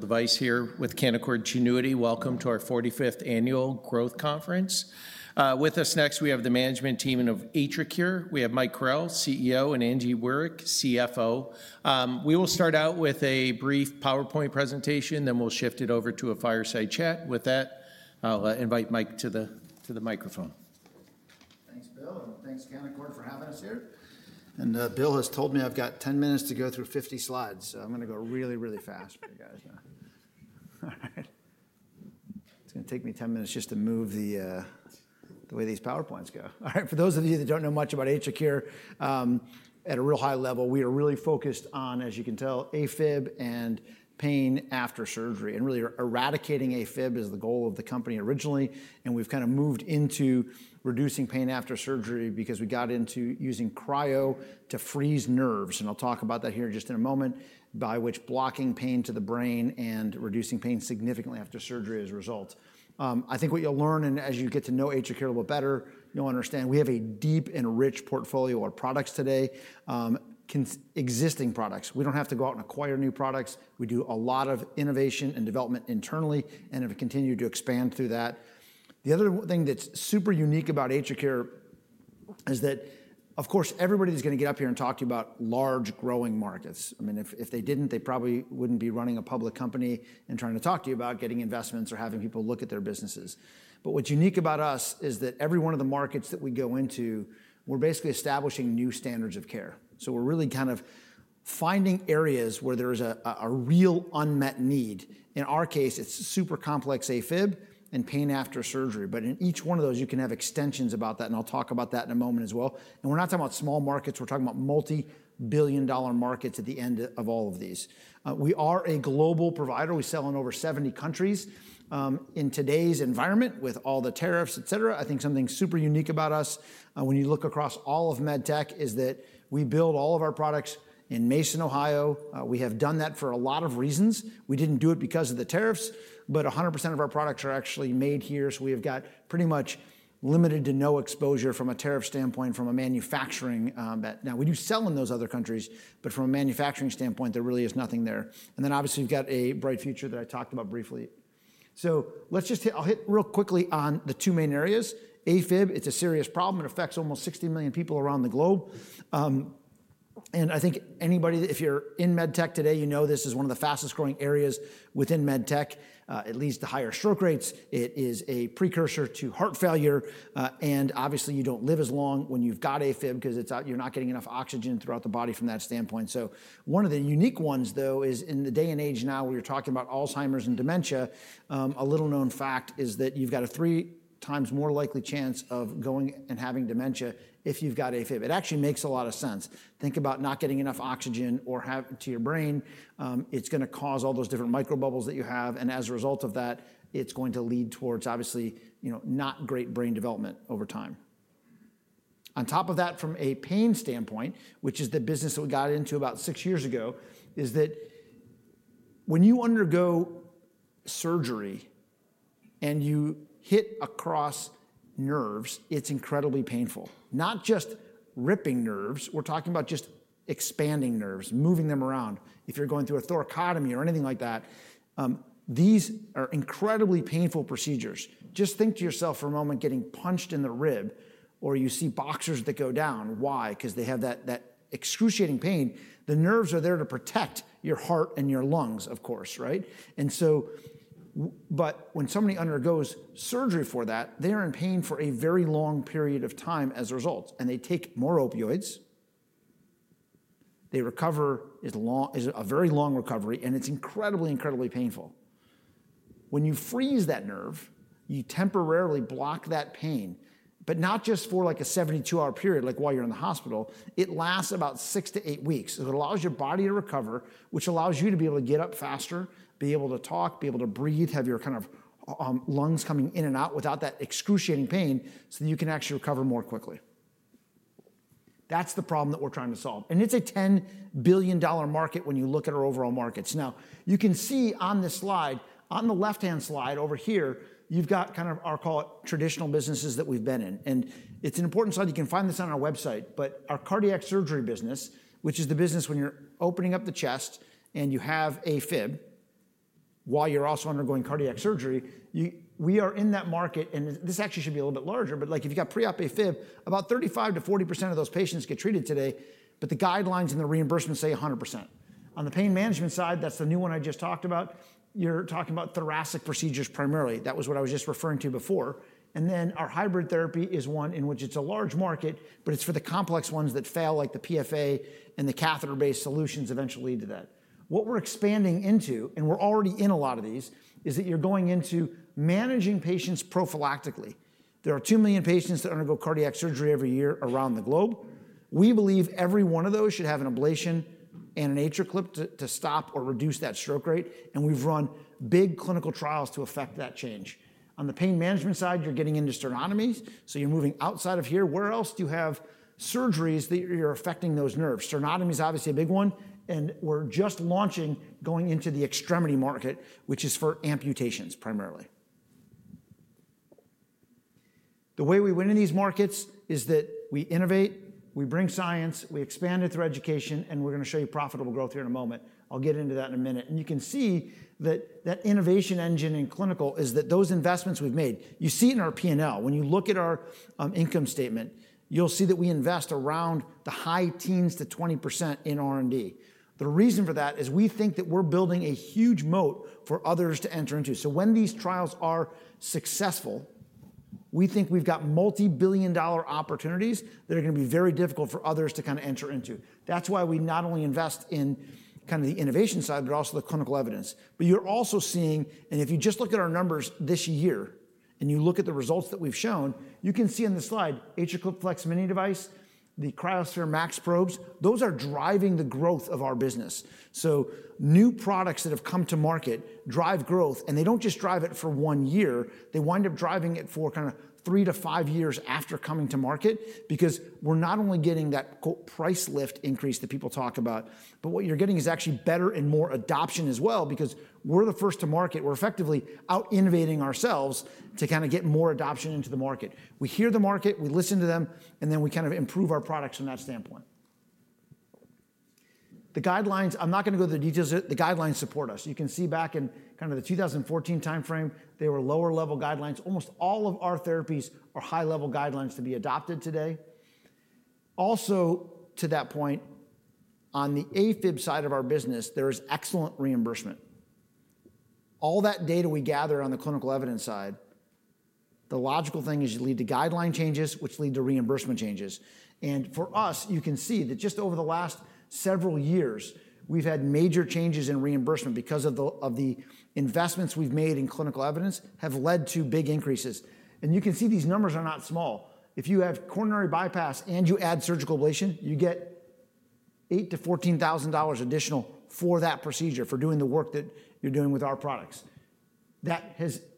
Device here with Canaccord Genuity. Welcome to our 45th Annual Growth Conference. With us next, we have the management team of AtriCure. We have Mike Carrel, CEO, and Angie Wirick, CFO. We will start out with a brief PowerPoint presentation, then we'll shift it over to a fireside chat. With that, I'll invite Mike to the microphone. Thanks, Bill, and thanks, Canaccord, for having us here. Bill has told me I've got 10 minutes to go through 50 slides, so I'm going to go really, really fast for you guys. It's going to take me 10 minutes just to move the way these PowerPoints go. All right. For those of you that don't know much about AtriCure, at a real high level, we are really focused on, as you can tell, AFib and pain after surgery. Really eradicating AFib is the goal of the company originally. We've kind of moved into reducing pain after surgery because we got into using cryo to freeze nerves. I'll talk about that here in just a moment, by which blocking pain to the brain and reducing pain significantly after surgery as a result. I think what you'll learn, and as you get to know AtriCure a little better, you'll understand we have a deep and rich portfolio of products today. We don't have to go out and acquire new products. We do a lot of innovation and development internally and have continued to expand through that. The other thing that's super unique about AtriCure is that, of course, everybody's going to get up here and talk to you about large growing markets. If they didn't, they probably wouldn't be running a public company and trying to talk to you about getting investments or having people look at their businesses. What's unique about us is that every one of the markets that we go into, we're basically establishing new standards of care. We're really kind of finding areas where there is a real unmet need. In our case, it's super complex AFib and pain after surgery. In each one of those, you can have extensions about that. I'll talk about that in a moment as well. We're not talking about small markets. We're talking about multi-billion dollar markets at the end of all of these. We are a global provider. We sell in over 70 countries. In today's environment, with all the tariffs, et cetera, I think something super unique about us when you look across all of med tech is that we build all of our products in Mason, Ohio. We have done that for a lot of reasons. We didn't do it because of the tariffs, but 100% of our products are actually made here. We have got pretty much limited to no exposure from a tariff standpoint, from a manufacturing bet. We do sell in those other countries, but from a manufacturing standpoint, there really is nothing there. Obviously, we've got a bright future that I talked about briefly. Let's just hit, I'll hit real quickly on the two main areas. AFib, it's a serious problem. It affects almost 60 million people around the globe, and I think anybody, if you're in med tech today, you know this is one of the fastest growing areas within med tech. It leads to higher stroke rates. It is a precursor to heart failure, and obviously, you don't live as long when you've got AFib because it's out. You're not getting enough oxygen throughout the body from that standpoint. One of the unique ones, though, is in the day and age now where you're talking about Alzheimer's and dementia. A little known fact is that you've got a three times more likely chance of going and having dementia if you've got AFib. It actually makes a lot of sense. Think about not getting enough oxygen or having to your brain. It's going to cause all those different microbubbles that you have, and as a result of that, it's going to lead towards, obviously, you know, not great brain development over time. On top of that, from a pain standpoint, which is the business that we got into about six years ago, when you undergo surgery and you hit across nerves, it's incredibly painful. Not just ripping nerves. We're talking about just expanding nerves, moving them around. If you're going through a thoracotomy or anything like that, these are incredibly painful procedures. Just think to yourself for a moment, getting punched in the rib, or you see boxers that go down. Why? Because they have that excruciating pain. The nerves are there to protect your heart and your lungs, of course, right? When somebody undergoes surgery for that, they're in pain for a very long period of time as a result. They take more opioids. They recover as long as a very long recovery, and it's incredibly, incredibly painful. When you freeze that nerve, you temporarily block that pain, but not just for like a 72-hour period, like while you're in the hospital. It lasts about six to eight weeks. It allows your body to recover, which allows you to be able to get up faster, be able to talk, be able to breathe, have your kind of lungs coming in and out without that excruciating pain so that you can actually recover more quickly. That's the problem that we're trying to solve. It's a $10 billion market when you look at our overall markets. You can see on this slide, on the left-hand slide over here, you've got kind of our, call it, traditional businesses that we've been in. It's an important slide. You can find this on our website, but our cardiac surgery business, which is the business when you're opening up the chest and you have AFib while you're also undergoing cardiac surgery, we are in that market. This actually should be a little bit larger, but if you've got pre-op AFib, about 35%-40% of those patients get treated today, but the guidelines and the reimbursement say 100%. On the pain management side, that's the new one I just talked about. You're talking about thoracic procedures primarily. That was what I was just referring to before. Our hybrid therapy is one in which it's a large market, but it's for the complex ones that fail, like the PFA and the catheter-based solutions eventually lead to that. What we're expanding into, and we're already in a lot of these, is that you're going into managing patients prophylactically. There are 2 million patients that undergo cardiac surgery every year around the globe. We believe every one of those should have an ablation and an atrial clip to stop or reduce that stroke rate. We've run big clinical trials to affect that change. On the pain management side, you're getting into sternotomies. You're moving outside of here. Where else do you have surgeries that you're affecting those nerves? Sternotomy is obviously a big one. We're just launching going into the extremity market, which is for amputations primarily. The way we win in these markets is that we innovate, we bring science, we expand it through education, and we're going to show you profitable growth here in a moment. I'll get into that in a minute. You can see that that innovation engine in clinical is that those investments we've made. You see in our P&L, when you look at our income statement, you'll see that we invest around the high teens to 20% in R&D. The reason for that is we think that we're building a huge moat for others to enter into. When these trials are successful, we think we've got multi-billion dollar opportunities that are going to be very difficult for others to kind of enter into. That's why we not only invest in kind of the innovation side, but also the clinical evidence. You're also seeing, and if you just look at our numbers this year and you look at the results that we've shown, you can see on the slide AtriClip FLEX-Mini device, the cryoSPHERE MAX probes. Those are driving the growth of our business. New products that have come to market drive growth, and they don't just drive it for one year. They wind up driving it for kind of three to five years after coming to market because we're not only getting that quote price lift increase that people talk about, but what you're getting is actually better and more adoption as well because we're the first to market. We're effectively out innovating ourselves to kind of get more adoption into the market. We hear the market, we listen to them, and then we kind of improve our products from that standpoint. The guidelines, I'm not going to go to the details of it. The guidelines support us. You can see back in kind of the 2014 timeframe, they were lower level guidelines. Almost all of our therapies are high level guidelines to be adopted today. Also, to that point, on the AFib side of our business, there is excellent reimbursement. All that data we gather on the clinical evidence side, the logical thing is you lead to guideline changes, which lead to reimbursement changes. For us, you can see that just over the last several years, we've had major changes in reimbursement because of the investments we've made in clinical evidence have led to big increases. You can see these numbers are not small. If you have coronary bypass and you add surgical ablation, you get $8,000-$14,000 additional for that procedure for doing the work that you're doing with our products.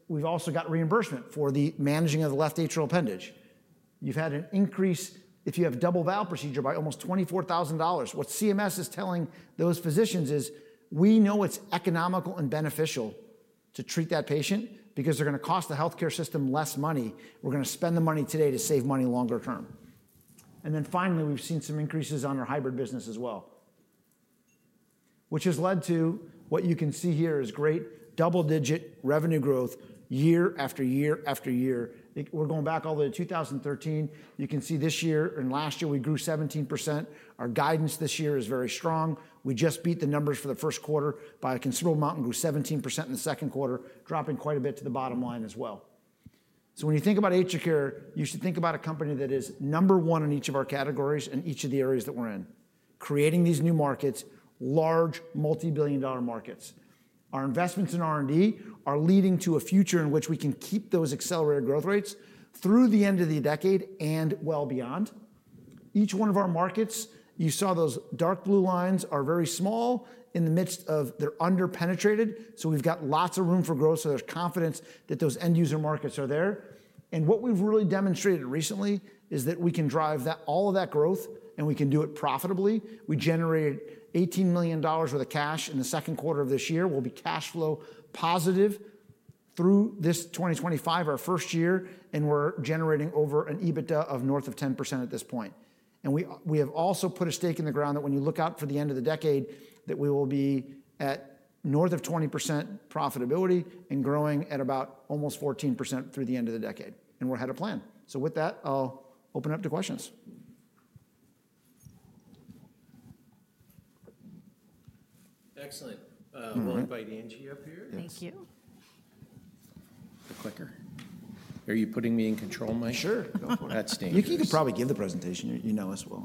We've also got reimbursement for the managing of the left atrial appendage. You've had an increase, if you have double valve procedure, by almost $24,000. What CMS is telling those physicians is we know it's economical and beneficial to treat that patient because they're going to cost the healthcare system less money. We're going to spend the money today to save money longer term. Finally, we've seen some increases on our hybrid business as well, which has led to what you can see here is great double-digit revenue growth year after year after year. We're going back all the way to 2013. You can see this year and last year we grew 17%. Our guidance this year is very strong. We just beat the numbers for the first quarter by a considerable amount and grew 17% in the second quarter, dropping quite a bit to the bottom line as well. When you think about AtriCure, you should think about a company that is number one in each of our categories and each of the areas that we're in, creating these new markets, large multi-billion dollar markets. Our investments in R&D are leading to a future in which we can keep those accelerated growth rates through the end of the decade and well beyond. Each one of our markets, you saw those dark blue lines, are very small in the midst of they're underpenetrated. We've got lots of room for growth. There's confidence that those end user markets are there. What we've really demonstrated recently is that we can drive all of that growth and we can do it profitably. We generated $18 million worth of cash in the second quarter of this year. We'll be cash flow positive through 2025, our first year, and we're generating over an EBITDA of north of 10% at this point. We have also put a stake in the ground that when you look out for the end of the decade, we will be at north of 20% profitability and growing at about almost 14% through the end of the decade. We're ahead of plan. With that, I'll open it up to questions. Excellent. We'll invite Angela up here. Thank you. The clicker. Are you putting me in control, Mike? Sure. Oh, that's dangerous. You could probably give the presentation. You know us well.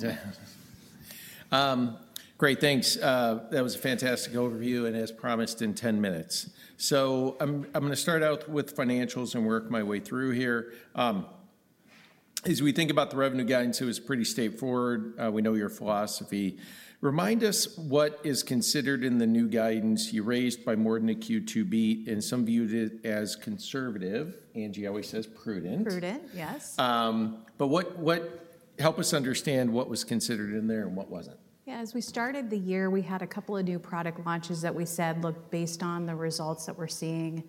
Great, thanks. That was a fantastic overview and as promised in 10 minutes. I'm going to start out with financials and work my way through here. As we think about the revenue guidance, it was pretty straightforward. We know your philosophy. Remind us what is considered in the new guidance you raised by Morgan at Q2B. Some viewed it as conservative. Angie always says prudent. Prudent, yes. Help us understand what was considered in there and what wasn't. Yeah, as we started the year, we had a couple of new product launches that we said, look, based on the results that we're seeing,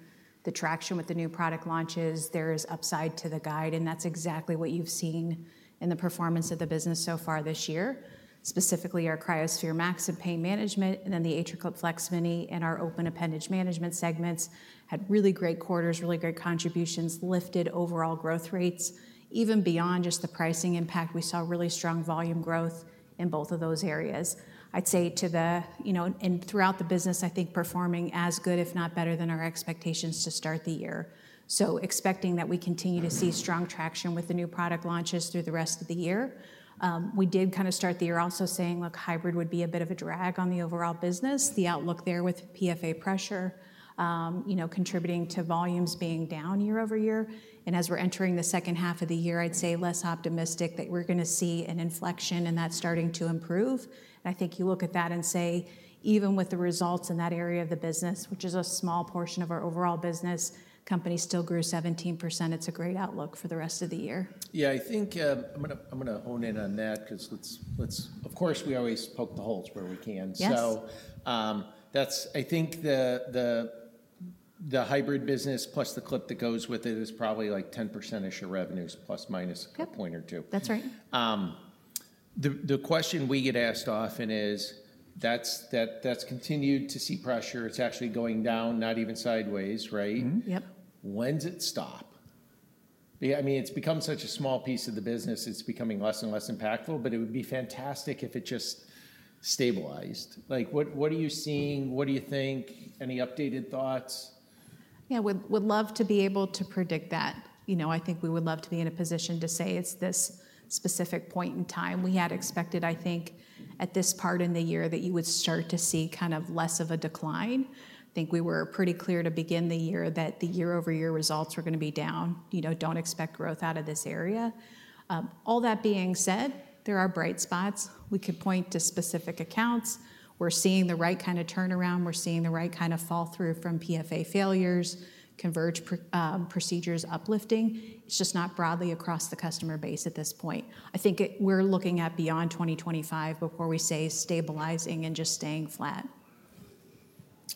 the traction with the new product launches, there is upside to the guide. That's exactly what you've seen in the performance of the business so far this year. Specifically, our cryoSPHERE MAX for pain management and then the AtriClip FLEX-Mini and our open appendage management segments had really great quarters, really good contributions, lifted overall growth rates. Even beyond just the pricing impact, we saw really strong volume growth in both of those areas. I'd say throughout the business, I think performing as good, if not better than our expectations to start the year. Expecting that we continue to see strong traction with the new product launches through the rest of the year. We did kind of start the year also saying, look, hybrid would be a bit of a drag on the overall business. The outlook there with PFA pressure, you know, contributing to volumes being down year-over-year. As we're entering the second half of the year, I'd say less optimistic that we're going to see an inflection and that's starting to improve. I think you look at that and say, even with the results in that area of the business, which is a small portion of our overall business, the company still grew 17%. It's a great outlook for the rest of the year. Yeah, I think I'm going to hone in on that because, of course, we always poke the holes where we can. That's, I think, the hybrid business plus the clip that goes with it is probably like 10% of revenues, plus minus a point or two. Yep, that's right. The question we get asked often is that's continued to see pressure. It's actually going down, not even sideways, right? Yep. When's it stop? I mean, it's become such a small piece of the business. It's becoming less and less impactful, but it would be fantastic if it just stabilized. What are you seeing? What do you think? Any updated thoughts? Yeah, we'd love to be able to predict that. I think we would love to be in a position to say it's this specific point in time. We had expected, I think, at this part in the year that you would start to see kind of less of a decline. I think we were pretty clear to begin the year that the year-over-year results were going to be down. You know, don't expect growth out of this area. All that being said, there are bright spots. We could point to specific accounts. We're seeing the right kind of turnaround. We're seeing the right kind of fall through from PFA failures, converged procedures, uplifting. It's just not broadly across the customer base at this point. I think we're looking at beyond 2025 before we say stabilizing and just staying flat.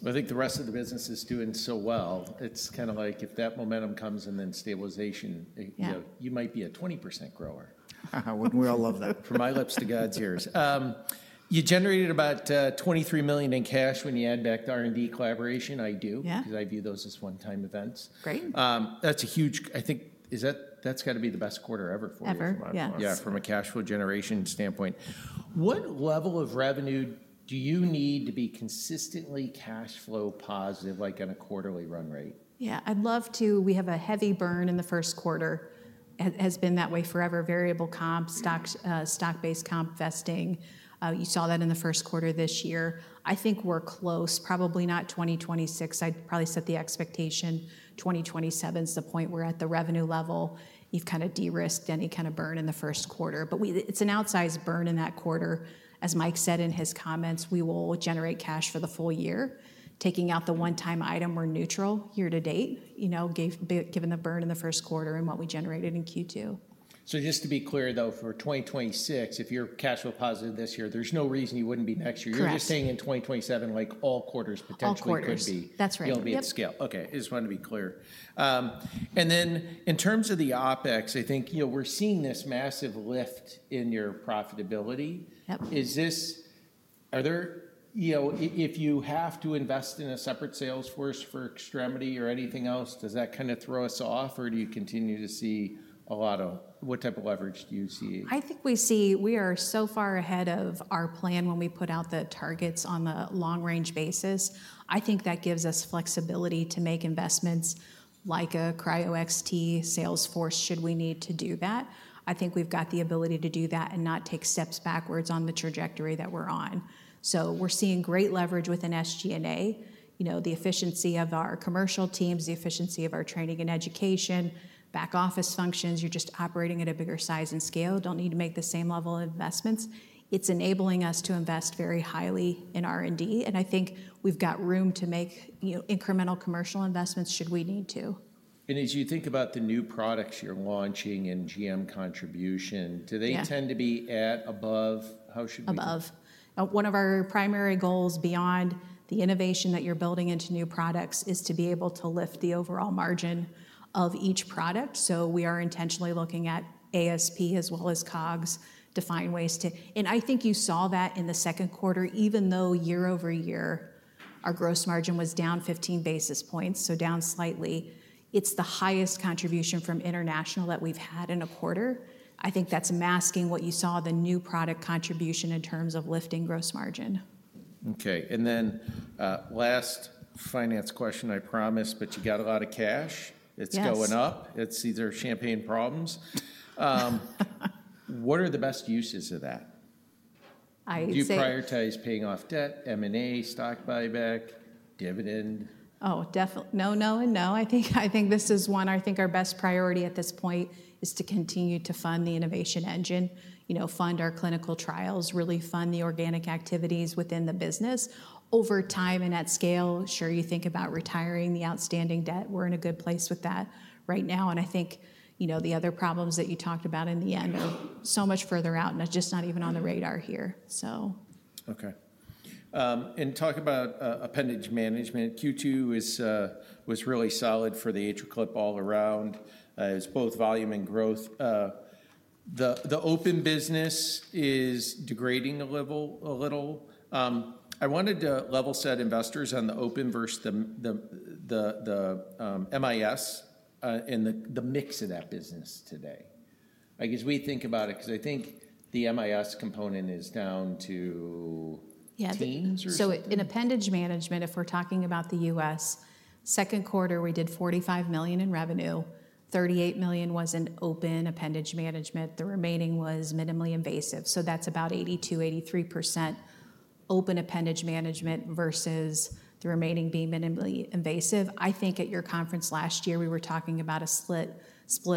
I think the rest of the business is doing so well. It's kind of like if that momentum comes and then stabilization, you know, you might be a 20% grower. Wouldn't we all love that? From my lips to God's ears. You generated about $23 million in cash when you add back to R&D collaboration. I do, because I view those as one-time events. Great. That's huge. I think that's got to be the best quarter ever for you. Definitely. From a cash flow generation standpoint, what level of revenue do you need to be consistently cash flow positive, like on a quarterly run rate? Yeah, I'd love to. We have a heavy burn in the first quarter. It has been that way forever. Variable comp, stock-based comp vesting. You saw that in the first quarter this year. I think we're close, probably not 2026. I'd probably set the expectation 2027 is the point we're at the revenue level. You've kind of de-risked any kind of burn in the first quarter. It's an outsized burn in that quarter. As Mike said in his comments, we will generate cash for the full year. Taking out the one-time item, we're neutral year to date, given the burn in the first quarter and what we generated in Q2. Just to be clear, though, for 2026, if you're cash flow positive this year, there's no reason you wouldn't be next year. You're just saying in 2027, like all quarters potentially could be. All quarters, that's right. You'll be at scale. Okay, I just wanted to be clear. In terms of the OpEx, I think we're seeing this massive lift in your profitability. Yep. If you have to invest in a separate sales force for extremity or anything else, does that kind of throw us off or do you continue to see a lot of, what type of leverage do you see? I think we see we are so far ahead of our plan when we put out the targets on the long-range basis. I think that gives us flexibility to make investments like a cryoXT sales force should we need to do that. I think we've got the ability to do that and not take steps backwards on the trajectory that we're on. We're seeing great leverage within SG&A. The efficiency of our commercial teams, the efficiency of our training and education, back office functions, you're just operating at a bigger size and scale. Don't need to make the same level of investments. It's enabling us to invest very highly in R&D. I think we've got room to make incremental commercial investments should we need to. As you think about the new products you're launching and GM contribution, do they tend to be at above? One of our primary goals beyond the innovation that you're building into new products is to be able to lift the overall margin of each product. We are intentionally looking at ASP as well as COGS to find ways to, and I think you saw that in the second quarter, even though year-over-year, our gross margin was down 15 basis points, so down slightly. It's the highest contribution from international that we've had in a quarter. I think that's masking what you saw, the new product contribution in terms of lifting gross margin. Okay. Last finance question, I promise, but you got a lot of cash. It's going up. It's either champagne problems. What are the best uses of that? I think. Do you prioritize paying off debt, M&A, stock buyback, dividend? Definitely. No, no, and no. I think this is one, I think our best priority at this point is to continue to fund the innovation engine, fund our clinical trials, really fund the organic activities within the business. Over time and at scale, sure, you think about retiring the outstanding debt. We're in a good place with that right now. The other problems that you talked about in the end are so much further out and it's just not even on the radar here. Okay, and talk about appendage management. Q2 was really solid for the AtriClip all around. It's both volume and growth. The open business is degrading a little. I wanted to level set investors on the open versus the MIS, and the mix of that business today, like, as we think about it, because I think the MIS component is down too. Yeah, so in appendage management, if we're talking about the U.S., second quarter, we did $45 million in revenue. $38 million was in open appendage management. The remaining was minimally invasive. That's about 82%-83% open appendage management versus the remaining being minimally invasive. I think at your conference last year, we were talking about a split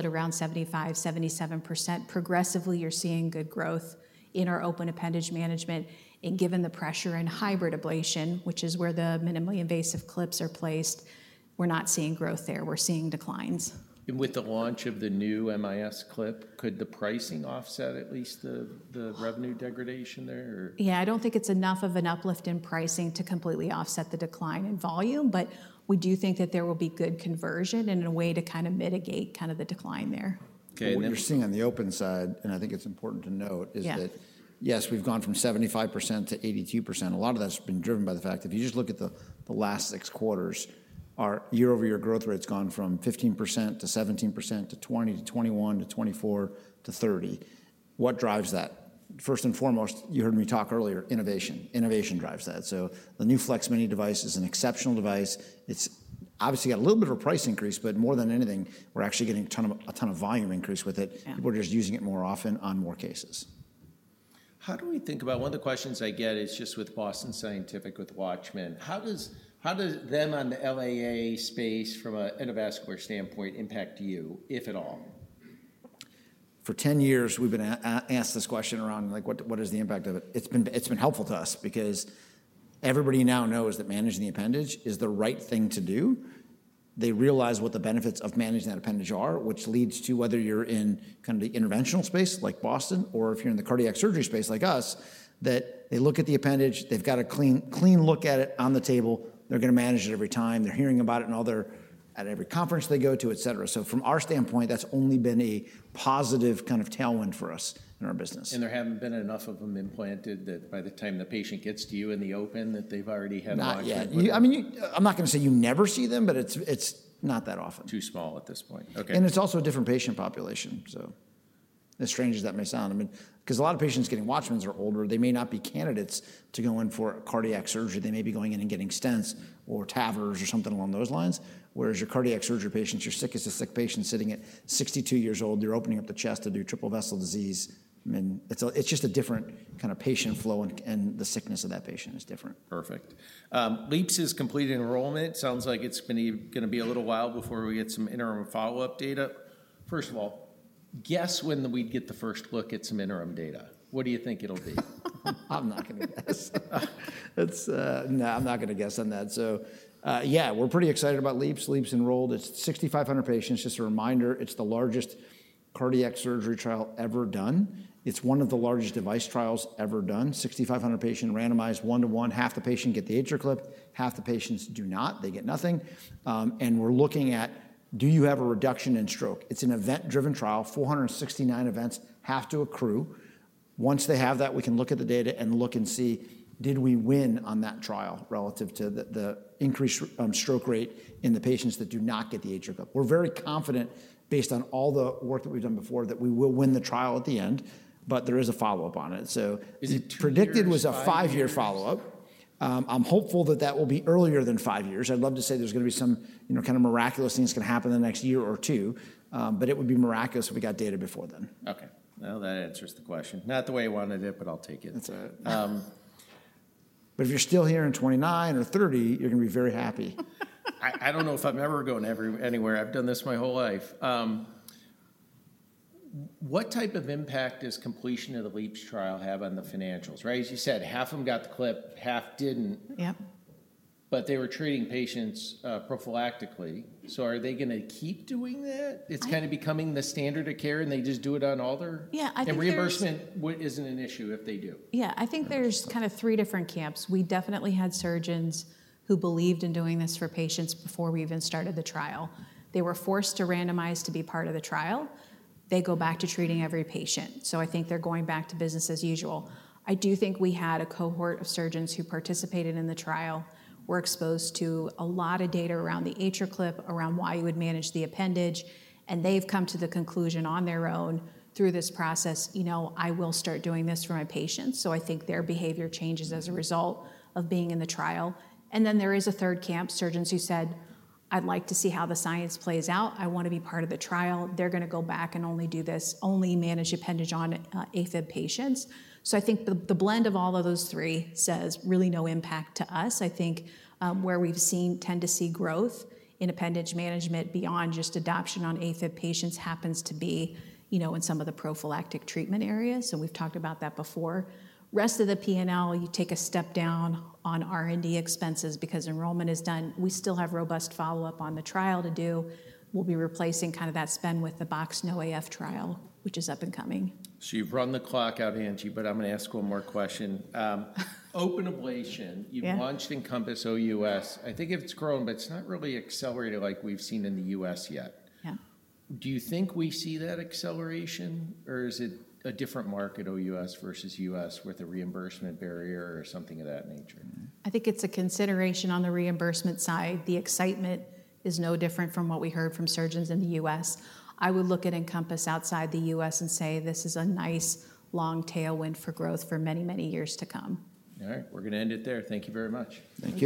around 75%-77%. Progressively, you're seeing good growth in our open appendage management. Given the pressure in hybrid ablation, which is where the minimally invasive clips are placed, we're not seeing growth there. We're seeing declines. With the launch of the new MIS clip, could the pricing offset at least the revenue degradation there? Yeah, I don't think it's enough of an uplift in pricing to completely offset the decline in volume, but we do think that there will be good conversion and a way to mitigate the decline there. Okay, and then we're seeing on the open side, and I think it's important to note, is that yes, we've gone from 75% to 82%. A lot of that's been driven by the fact that if you just look at the last six quarters, our year-over-year growth rate's gone from 15% to 17% to 20% to 21% to 24% to 30%. What drives that? First and foremost, you heard me talk earlier, innovation. Innovation drives that. The new FLEX-Mini device is an exceptional device. It's obviously got a little bit of a price increase, but more than anything, we're actually getting a ton of volume increase with it. People are just using it more often on more cases. How do we think about one of the questions I get is just with Boston Scientific, with Watchman. How does them on the LAA space from an [Innovasquare] standpoint impact you, if at all? For 10 years, we've been asked this question around, like, what is the impact of it? It's been helpful to us because everybody now knows that managing the appendage is the right thing to do. They realize what the benefits of managing that appendage are, which leads to whether you're in kind of the interventional space like Boston or if you're in the cardiac surgery space like us, that they look at the appendage, they've got a clean look at it on the table. They're going to manage it every time. They're hearing about it at every conference they go to, etc. From our standpoint, that's only been a positive kind of tailwind for us in our business. There haven't been enough of them implanted that by the time the patient gets to you in the open, they've already had a lot of. Not yet. I mean, I'm not going to say you never see them, but it's not that often. Too small at this point. It's also a different patient population. As strange as that may sound, I mean, because a lot of patients getting Watchmens are older. They may not be candidates to go in for cardiac surgery. They may be going in and getting stents or TAVRs or something along those lines. Whereas your cardiac surgery patients, your sickest of sick patients sitting at 62 years old, you're opening up the chest to do triple vessel disease. I mean, it's just a different kind of patient flow, and the sickness of that patient is different. Perfect. LeAAPS is completing enrollment. Sounds like it's going to be a little while before we get some interim follow-up data. First of all, guess when we'd get the first look at some interim data. What do you think it'll be? I'm not going to guess. No, I'm not going to guess on that. Yeah, we're pretty excited about LeAAPS. LeAAPS enrolled at 6,500 patients. Just a reminder, it's the largest cardiac surgery trial ever done. It's one of the largest device trials ever done. 6,500 patients randomized one-to-one. Half the patients get the AtriClip, half the patients do not. They get nothing. We're looking at, do you have a reduction in stroke? It's an event-driven trial. 469 events have to accrue. Once they have that, we can look at the data and look and see, did we win on that trial relative to the increased stroke rate in the patients that do not get the AtriClip? We're very confident, based on all the work that we've done before, that we will win the trial at the end, but there is a follow-up on it. It's predicted as a five-year follow-up. I'm hopeful that will be earlier than five years. I'd love to say there's going to be some, you know, kind of miraculous things that can happen in the next year or two, but it would be miraculous if we got data before then. Okay. That answers the question. Not the way I wanted it, but I'll take it. If you're still here in 2029 or 2030, you're going to be very happy. I don't know if I'm ever going anywhere. I've done this my whole life. What type of impact does completion of the LeAAPS trial have on the financials? Right. As you said, half of them got the clip, half didn't. Yep. They were treating patients prophylactically. Are they going to keep doing that? It's kind of becoming the standard of care, and they just do it on all their reimbursement isn't an issue if they do. Yeah, I think there's kind of three different camps. We definitely had surgeons who believed in doing this for patients before we even started the trial. They were forced to randomize to be part of the trial. They go back to treating every patient. I think they're going back to business as usual. I do think we had a cohort of surgeons who participated in the trial, were exposed to a lot of data around the atrial clip, around why you would manage the appendage, and they've come to the conclusion on their own through this process, you know, I will start doing this for my patients. I think their behavior changes as a result of being in the trial. There is a third camp, surgeons who said, I'd like to see how the science plays out. I want to be part of the trial. They're going to go back and only do this, only manage appendage on AFib patients. I think the blend of all of those three says really no impact to us. I think where we've seen tendency growth in appendage management beyond just adoption on AFib patients happens to be, you know, in some of the prophylactic treatment areas. We've talked about that before. Rest of the P&L, you take a step down on R&D expenses because enrollment is done. We still have robust follow-up on the trial to do. We'll be replacing kind of that spend with the box no AF trial, which is up and coming. You've run the clock out, Angie, but I'm going to ask one more question. Open ablation, you've launched EnCompass O.U.S. I think it's grown, but it's not really accelerated like we've seen in the U.S. yet. Yeah. Do you think we see that acceleration, or is it a different market, O.U.S. versus U.S., with a reimbursement barrier or something of that nature? I think it's a consideration on the reimbursement side. The excitement is no different from what we heard from surgeons in the U.S. I would look at EnCompass outside the U.S. and say this is a nice long tailwind for growth for many, many years to come. All right, we're going to end it there. Thank you very much. Thank you.